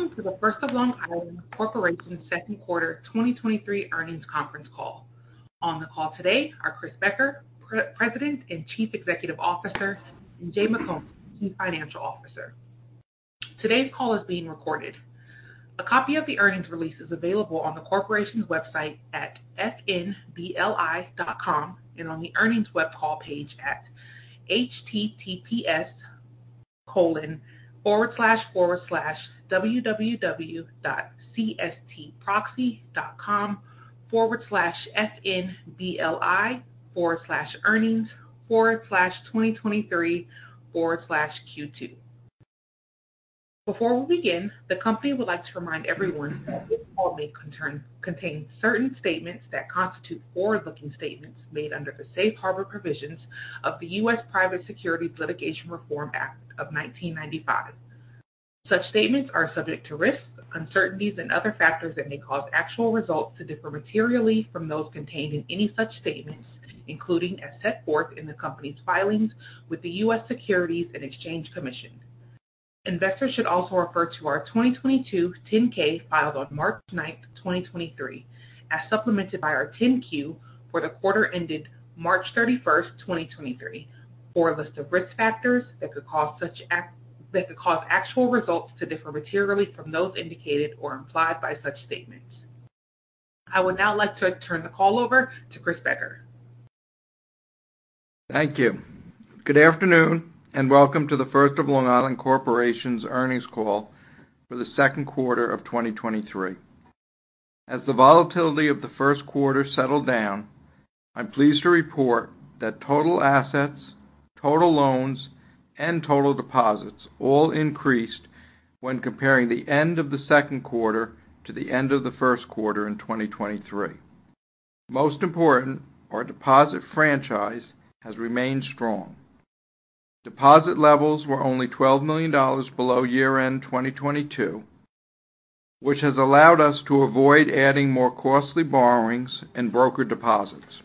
Welcome to The First of Long Island Corporation's second quarter 2023 earnings conference call. On the call today are Chris Becker, President and Chief Executive Officer, and Jay McConie, Chief Financial Officer. Today's call is being recorded. A copy of the earnings release is available on the corporation's website at fnbli.com and on the earnings web call page at https://www.cstproxy.com/fnbli/earnings/2023/Q2. Before we begin, the company would like to remind everyone that this call may contain certain statements that constitute forward-looking statements made under the safe harbor provisions of the U.S. Private Securities Litigation Reform Act of 1995. Such statements are subject to risks, uncertainties and other factors that may cause actual results to differ materially from those contained in any such statements, including as set forth in the company's filings with the U.S. Securities and Exchange Commission. Investors should also refer to our 2022 10-K, filed on March 9th, 2023, as supplemented by our 10-Q for the quarter ended March 31st, 2023, for a list of risk factors that could cause actual results to differ materially from those indicated or implied by such statements. I would now like to turn the call over to Chris Becker. Thank you. Good afternoon, welcome to The First of Long Island Corporation's earnings call for the second quarter of 2023. As the volatility of the first quarter settled down, I'm pleased to report that total assets, total loans, and total deposits all increased when comparing the end of the second quarter to the end of the first quarter in 2023. Most important, our deposit franchise has remained strong. Deposit levels were only $12 million below year-end 2022, which has allowed us to avoid adding more costly borrowings and broker deposits.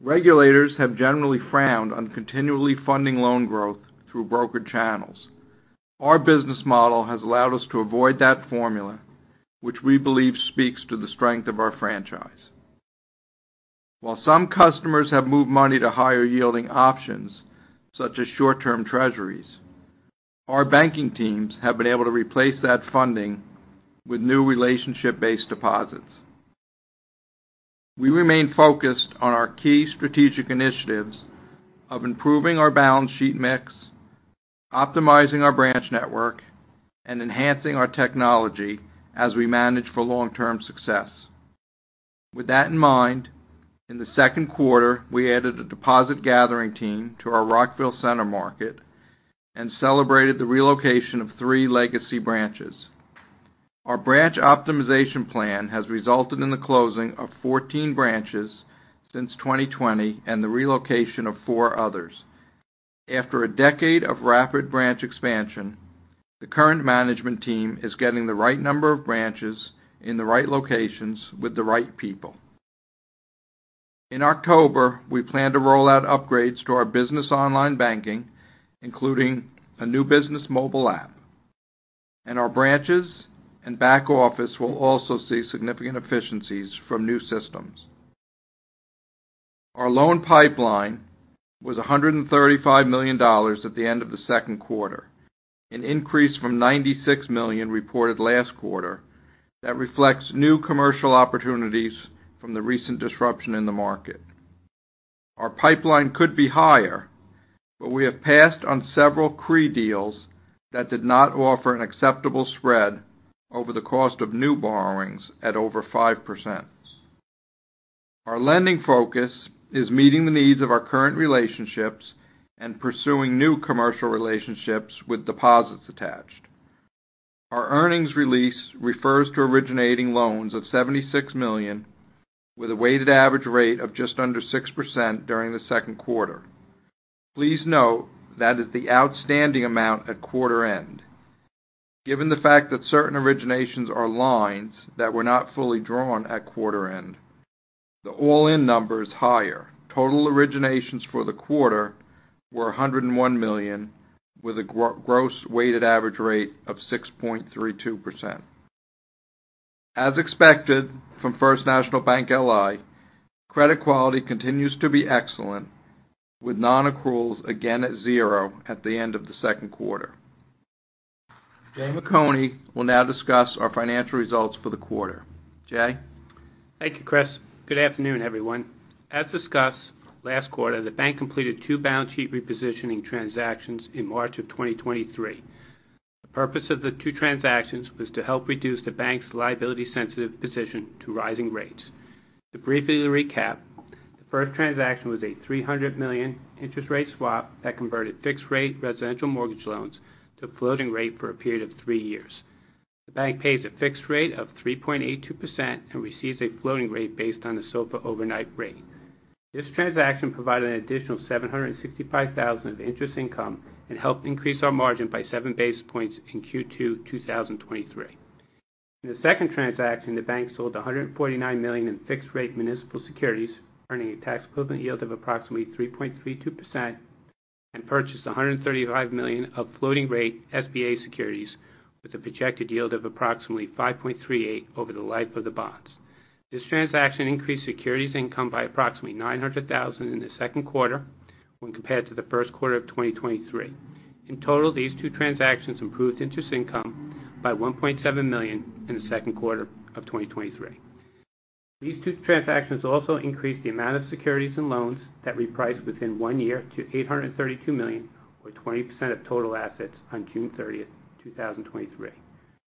Regulators have generally frowned on continually funding loan growth through broker channels. Our business model has allowed us to avoid that formula, which we believe speaks to the strength of our franchise. While some customers have moved money to higher-yielding options, such as short-term treasuries, our banking teams have been able to replace that funding with new relationship-based deposits. We remain focused on our key strategic initiatives of improving our balance sheet mix, optimizing our branch network, and enhancing our technology as we manage for long-term success. With that in mind, in the second quarter, we added a deposit gathering team to our Rockville Centre market and celebrated the relocation of three legacy branches. Our branch optimization plan has resulted in the closing of 14 branches since 2020 and the relocation of four others. After a decade of rapid branch expansion, the current management team is getting the right number of branches in the right locations with the right people. In October, we plan to roll out upgrades to our business online banking, including a new business mobile app, and our branches and back office will also see significant efficiencies from new systems. Our loan pipeline was $135 million at the end of the second quarter, an increase from $96 million reported last quarter. That reflects new commercial opportunities from the recent disruption in the market. Our pipeline could be higher, but we have passed on several CRE deals that did not offer an acceptable spread over the cost of new borrowings at over 5%. Our lending focus is meeting the needs of our current relationships and pursuing new commercial relationships with deposits attached. Our earnings release refers to originating loans of $76 million, with a weighted average rate of just under 6% during the second quarter. Please note that is the outstanding amount at quarter end. Given the fact that certain originations are lines that were not fully drawn at quarter end, the all-in number is higher. Total originations for the quarter were $101 million, with a gross weighted average rate of 6.32%. As expected, from First National Bank LI, credit quality continues to be excellent, with nonaccruals again at zero at the end of the second quarter. Jay McConie will now discuss our financial results for the quarter. Jay? Thank you, Chris. Good afternoon, everyone. As discussed last quarter, the bank completed two balance sheet repositioning transactions in March of 2023. The purpose of the two transactions was to help reduce the bank's liability sensitive position to rising rates. To briefly recap, the first transaction was a $300 million interest rate swap that converted fixed-rate residential mortgage loans to floating rate for a period of three years. The bank pays a fixed rate of 3.82% and receives a floating rate based on the SOFR overnight rate. This transaction provided an additional $765,000 of interest income and helped increase our margin by 7 basis points in Q2 2023. In the second transaction, the bank sold $149 million in fixed-rate municipal securities, earning a tax-equivalent yield of approximately 3.32%, and purchased $135 million of floating-rate SBA securities with a projected yield of approximately 5.38 over the life of the bonds. This transaction increased securities income by approximately $900,000 in the second quarter when compared to the first quarter of 2023. In total, these two transactions improved interest income by $1.7 million in the second quarter of 2023. These two transactions also increased the amount of securities and loans that reprice within one year to $832 million, or 20% of total assets on June 30th, 2023.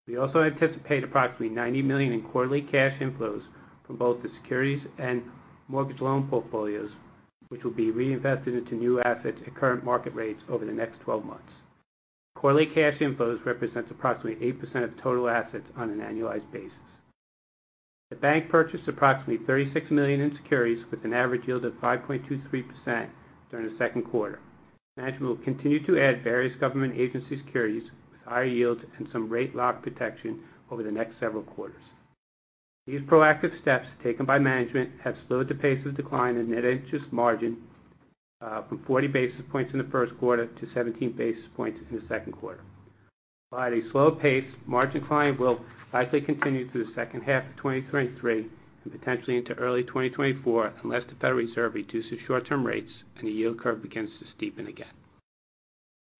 We also anticipate approximately $90 million in quarterly cash inflows from both the securities and mortgage loan portfolios, which will be reinvested into new assets at current market rates over the next 12 months. Quarterly cash inflows represents approximately 8% of total assets on an annualized basis. The bank purchased approximately $36 million in securities with an average yield of 5.23% during the second quarter. Management will continue to add various government agency securities with higher yields and some rate lock protection over the next several quarters. These proactive steps taken by management have slowed the pace of decline in net interest margin, from 40 basis points in the first quarter to 17 basis points in the second quarter. While at a slow pace, margin decline will likely continue through the second half of 2023 and potentially into early 2024, unless the Federal Reserve reduces short-term rates and the yield curve begins to steepen again.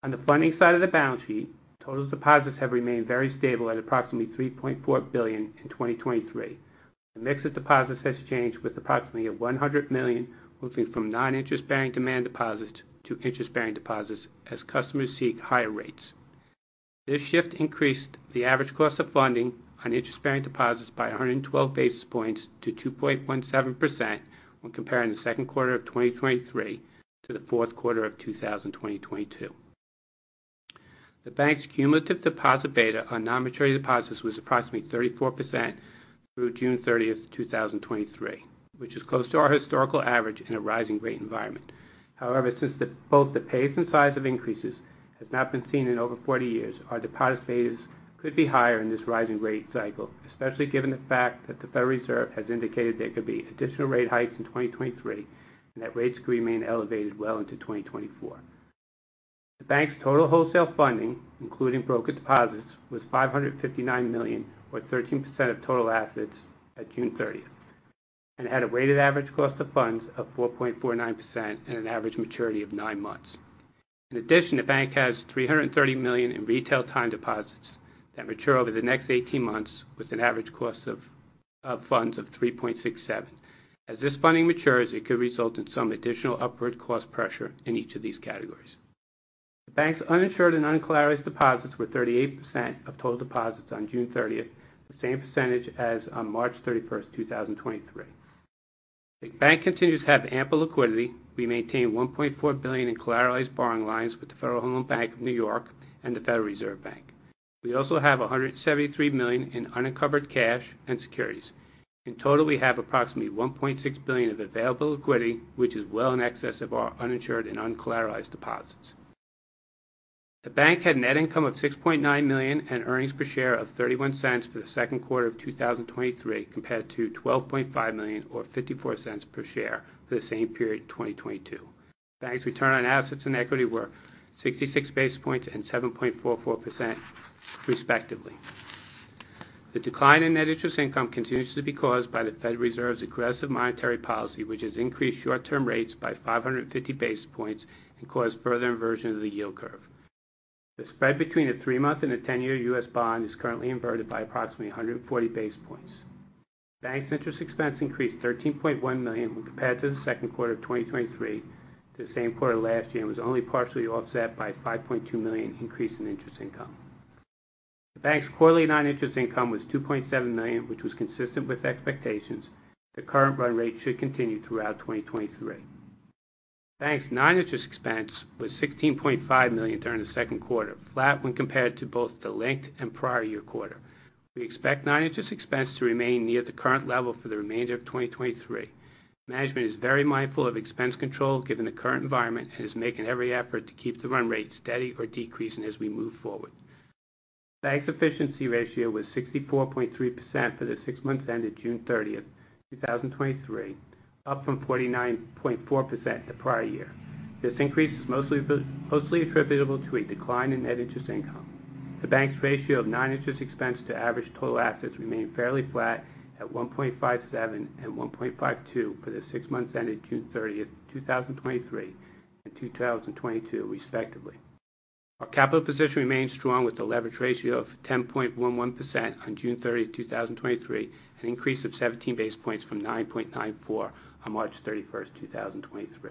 On the funding side of the balance sheet, total deposits have remained very stable at approximately $3.4 billion in 2023. The mix of deposits has changed, with approximately $100 million moving from non-interest-bearing demand deposits to interest-bearing deposits as customers seek higher rates. This shift increased the average cost of funding on interest-bearing deposits by 112 basis points to 2.17% when comparing the second quarter of 2023 to the fourth quarter of 2022. The bank's cumulative deposit beta on non-maturity deposits was approximately 34% through June 30th, 2023, which is close to our historical average in a rising rate environment. However, since both the pace and size of increases has not been seen in over 40 years, our deposit betas could be higher in this rising rate cycle, especially given the fact that the Federal Reserve has indicated there could be additional rate hikes in 2023 and that rates could remain elevated well into 2024. The bank's total wholesale funding, including broker deposits, was $559 million, or 13% of total assets at June 30th, and had a weighted average cost of funds of 4.49% and an average maturity of nine months. In addition, the bank has $330 million in retail time deposits that mature over the next 18 months, with an average cost of funds of 3.67%. As this funding matures, it could result in some additional upward cost pressure in each of these categories. The bank's uninsured and uncollateralized deposits were 38% of total deposits on June 30th, the same percentage as on March 31st, 2023. The bank continues to have ample liquidity. We maintain $1.4 billion in collateralized borrowing lines with the Federal Home Loan Bank of New York and the Federal Reserve Bank. We also have $173 million in unencumbered cash and securities. In total, we have approximately $1.6 billion of available liquidity, which is well in excess of our uninsured and uncollateralized deposits. The bank had a net income of $6.9 million and earnings per share of $0.31 for the 2Q 2023, compared to $12.5 million or $0.54 per share for the same period in 2022. Bank's return on assets and equity were 66 basis points and 7.44%, respectively. The decline in net interest income continues to be caused by the Federal Reserve's aggressive monetary policy, which has increased short-term rates by 550 basis points and caused further inversion of the yield curve. The spread between the three-month and the ten-year U.S. bond is currently inverted by approximately 140 basis points. Bank's interest expense increased $13.1 million when compared to the second quarter of 2023 to the same quarter last year, and was only partially offset by $5.2 million increase in interest income. The bank's quarterly non-interest income was $2.7 million, which was consistent with expectations. The current run rate should continue throughout 2023. Bank's non-interest expense was $16.5 million during the second quarter, flat when compared to both the linked and prior year quarter. We expect non-interest expense to remain near the current level for the remainder of 2023. Management is very mindful of expense control given the current environment, and is making every effort to keep the run rate steady or decreasing as we move forward. The bank's efficiency ratio was 64.3% for the six months ended June 30th, 2023, up from 49.4% the prior year. This increase is mostly mostly attributable to a decline in net interest income. The bank's ratio of non-interest expense to average total assets remained fairly flat at 1.57 and 1.52 for the six months ended June 30th, 2023 and 2022, respectively. Our capital position remains strong, with a leverage ratio of 10.11% on June 30, 2023, an increase of 17 basis points from 9.94 on March 31st, 2023.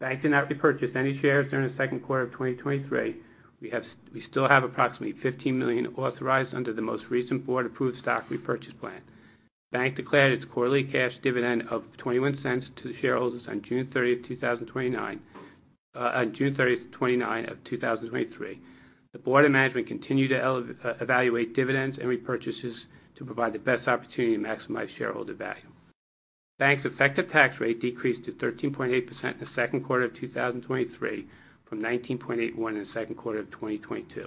Bank did not repurchase any shares during the second quarter of 2023. We have, we still have approximately $15 million authorized under the most recent board-approved stock repurchase plan. Bank declared its quarterly cash dividend of $0.21 to the shareholders on June 30, 2029, on June 30, 29 of 2023. The board and management continue to evaluate dividends and repurchases to provide the best opportunity to maximize shareholder value. Bank's effective tax rate decreased to 13.8% in the second quarter of 2023, from 19.81 in the second quarter of 2022.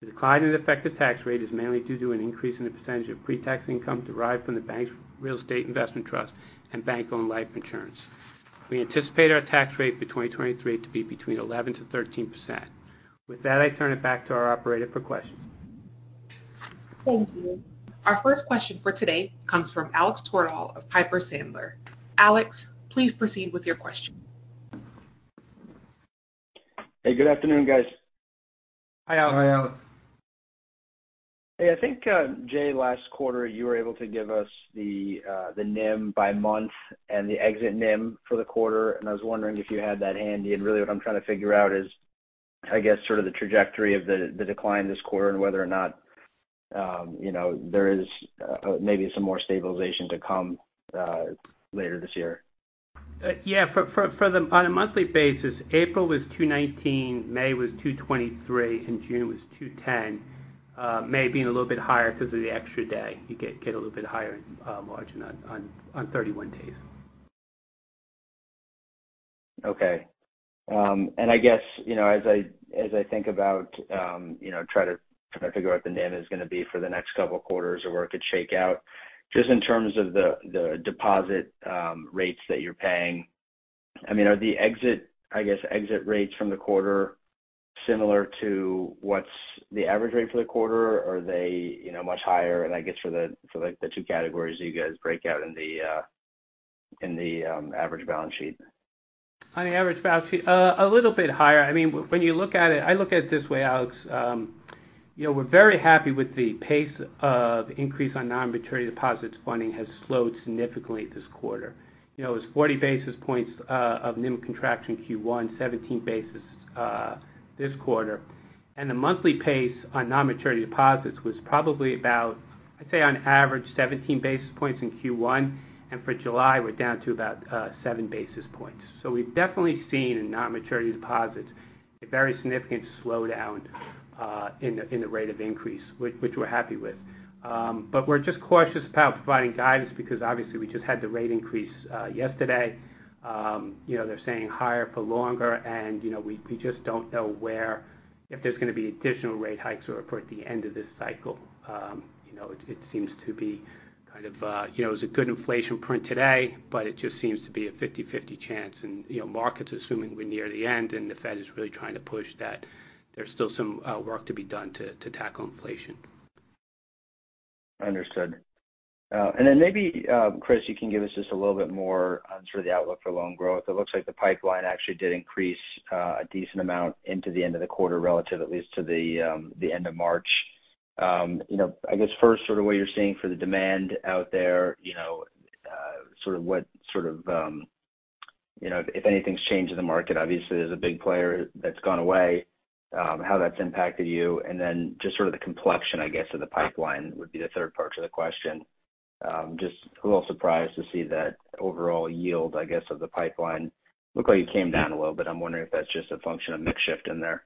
The decline in effective tax rate is mainly due to an increase in the percentage of pre-tax income derived from the bank's Real Estate Investment Trust and Bank-Owned Life Insurance. We anticipate our tax rate for 2023 to be between 11%-13%. With that, I turn it back to our operator for questions. Thank you. Our first question for today comes from Alex Twerdahl of Piper Sandler. Alex, please proceed with your question. Hey, good afternoon, guys. Hi, Alex. Hi, Alex. Hey, I think, Jay, last quarter, you were able to give us the, the NIM by month and the exit NIM for the quarter, and I was wondering if you had that handy. Really what I'm trying to figure out is, I guess, sort of the trajectory of the, the decline this quarter and whether or not, you know, there is, maybe some more stabilization to come, later this year. Yeah, for, for, for the on a monthly basis, April was 219, May was 223, and June was 210. May being a little bit higher because of the extra day. You get, get a little bit higher margin on, on, on 31 days. Okay. I guess, you know, as I, as I think about, you know, try to figure out what the NIM is going to be for the next couple of quarters or where it could shake out, just in terms of the, the deposit rates that you're paying, I mean, are the exit, I guess, exit rates from the quarter similar to what's the average rate for the quarter? Are they, you know, much higher, I guess for the, for, like, the two categories you guys break out in the average balance sheet? On the average balance sheet, a little bit higher. I mean, when you look at it, I look at it this way, Alex. You know, we're very happy with the pace of increase on non-maturity deposits funding has slowed significantly this quarter. You know, it was 40 basis points of NIM contraction in Q1, 17 basis this quarter. The monthly pace on non-maturity deposits was probably about, I'd say on average, 17 basis points in Q1, and for July, we're down to about 7 basis points. We've definitely seen in non-maturity deposits a very significant slowdown in the, in the rate of increase, which, which we're happy with. But we're just cautious about providing guidance because, obviously, we just had the rate increase yesterday. You know, they're staying higher for longer, and, you know, we, we just don't know where if there's going to be additional rate hikes or if we're at the end of this cycle. you know, it seems to be kind of, you know, it was a good inflation print today, but it just seems to be a 50/50 chance. you know, markets assuming we're near the end, and the Fed is really trying to push that there's still some work to be done to tackle inflation. Understood. Maybe, Chris, you can give us just a little bit more on sort of the outlook for loan growth. It looks like the pipeline actually did increase, a decent amount into the end of the quarter relative, at least to the, the end of March. You know, I guess first, sort of what you're seeing for the demand out there, you know, sort of what, sort of, you know, if anything's changed in the market. Obviously, there's a big player that's gone away, how that's impacted you, and then just sort of the complexion, I guess, of the pipeline would be the third part to the question. Just a little surprised to see that overall yield, I guess, of the pipeline, looked like it came down a little bit. I'm wondering if that's just a function of mix shift in there.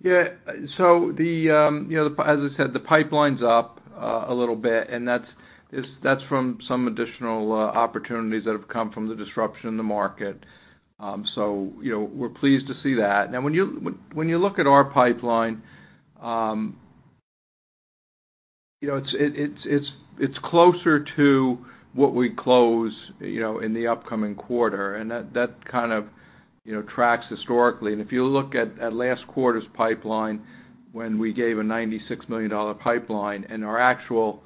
Yeah. The, you know, as I said, the pipeline's up a little bit, and that's, it's, that's from some additional opportunities that have come from the disruption in the market. You know, we're pleased to see that. Now, when you when you look at our pipeline, you know, it's, it, it's, it's, it's closer to what we close, you know, in the upcoming quarter, and that, that kind of, you know, tracks historically. If you look at, at last quarter's pipeline, when we gave a $96 million pipeline and our actual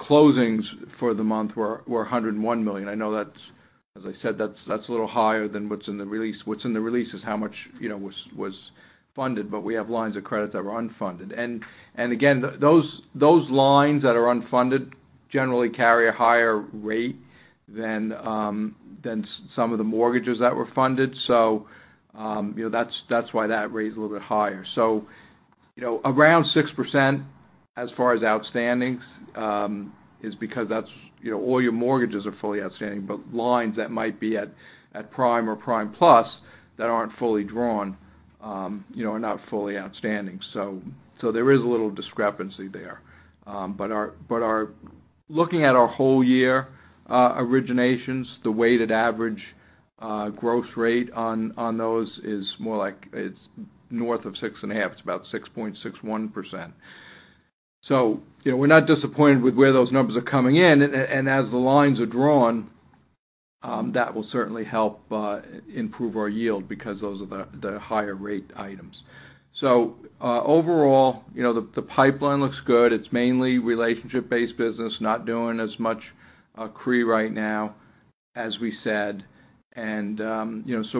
closings for the month were, were $101 million, I know that's, as I said, that's, that's a little higher than what's in the release. What's in the release is how much, you know, was, was funded, but we have lines of credit that were unfunded. Again, those, those lines that are unfunded generally carry a higher rate than, than some of the mortgages that were funded. You know, that's, that's why that rate is a little bit higher. You know, around 6%, as far as outstandings, is because that's, you know, all your mortgages are fully outstanding, but lines that might be at, at prime or prime plus that aren't fully drawn, you know, are not fully outstanding. There is a little discrepancy there. Our looking at our whole year, originations, the weighted average, growth rate on, on those is more like it's north of 6.5%. It's about 6.61%. You know, we're not disappointed with where those numbers are coming in. As the lines are drawn, that will certainly help improve our yield because those are the higher rate items. Overall, you know, the pipeline looks good. It's mainly relationship-based business, not doing as much CRE right now, as we said. You know, so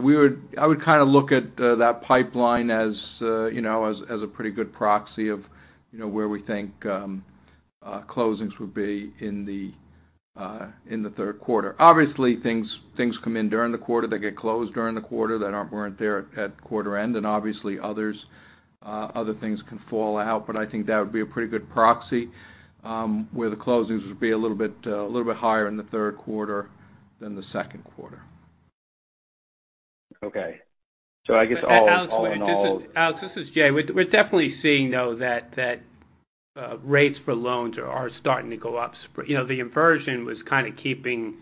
I would kind of look at that pipeline as, you know, as, as a pretty good proxy of, you know, where we think closings would be in the third quarter. Obviously, things, things come in during the quarter, they get closed during the quarter, that aren't, weren't there at, at quarter end, and obviously others, other things can fall out, but I think that would be a pretty good proxy, where the closings would be a little bit, a little bit higher in the third quarter than the second quarter. Okay. I guess all, all in all. Alex, this is Jay. We're, we're definitely seeing, though, that, that rates for loans are starting to go up. You know, the inversion was kind of keeping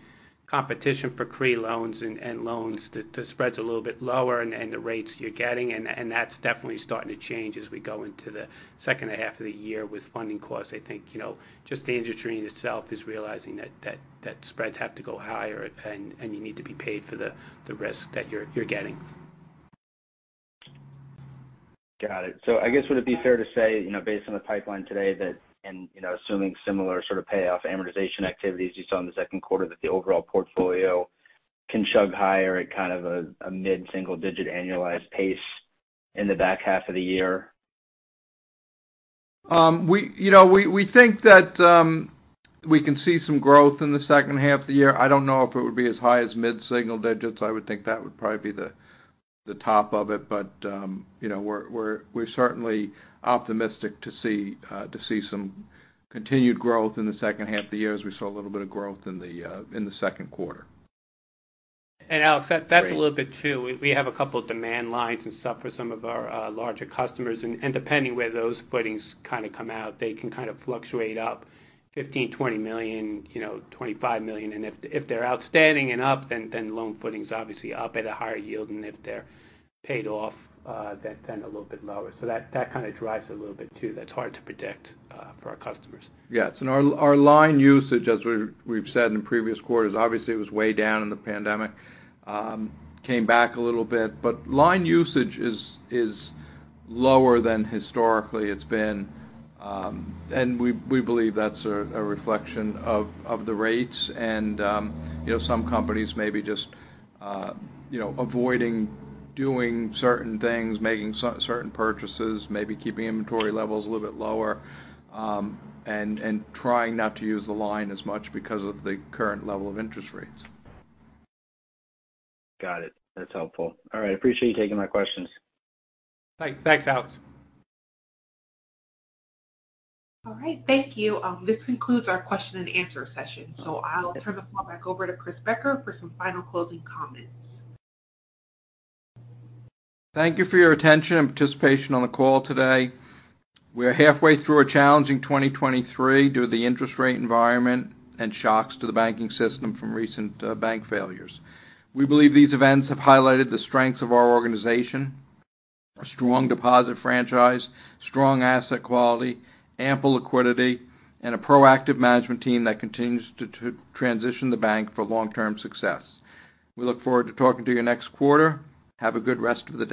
competition for CRE loans and, and loans to, to spreads a little bit lower and the rates you're getting, and, and that's definitely starting to change as we go into the second half of the year with funding costs. I think, you know, just the industry in itself is realizing that, that, that spreads have to go higher and, and you need to be paid for the, the risk that you're, you're getting. Got it. I guess, would it be fair to say, you know, based on the pipeline today, that, and, you know, assuming similar sort of payoff amortization activities you saw in the second quarter, that the overall portfolio can chug higher at kind of a, a mid-single digit annualized pace in the back half of the year? We, you know, we, we think that, we can see some growth in the second half of the year. I don't know if it would be as high as mid-single digits. I would think that would probably be the, the top of it. You know, we're, we're, we're certainly optimistic to see, to see some continued growth in the second half of the year, as we saw a little bit of growth in the, in the second quarter. Alex, that's a little bit, too. We, we have a couple of demand lines and stuff for some of our larger customers, and depending on where those footings kind of come out, they can kind of fluctuate up $15 million, $20 million, you know, $25 million. If, if they're outstanding and up, then loan footing is obviously up at a higher yield, and if they're paid off, then a little bit lower. That, that kind of drives it a little bit, too. That's hard to predict for our customers. Yes. Our, our line usage, as we've, we've said in previous quarters, obviously it was way down in the pandemic, came back a little bit, but line usage is, is lower than historically it's been. We, we believe that's a, a reflection of, of the rates. You know, some companies may be just, you know, avoiding doing certain things, making certain purchases, maybe keeping inventory levels a little bit lower, and, and trying not to use the line as much because of the current level of interest rates. Got it. That's helpful. All right. I appreciate you taking my questions. Thanks. Thanks, Alex. All right. Thank you. This concludes our question and answer session. I'll turn the call back over to Chris Becker for some final closing comments. Thank you for your attention and participation on the call today. We are halfway through a challenging 2023 due to the interest rate environment and shocks to the banking system from recent bank failures. We believe these events have highlighted the strengths of our organization, a strong deposit franchise, strong asset quality, ample liquidity, and a proactive management team that continues to transition the bank for long-term success. We look forward to talking to you next quarter. Have a good rest of the day.